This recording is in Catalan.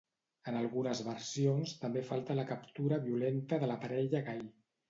En algunes versions també falta la captura violenta de la parella gai.